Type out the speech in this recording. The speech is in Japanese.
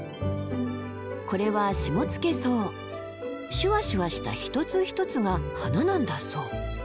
これはシュワシュワした一つ一つが花なんだそう。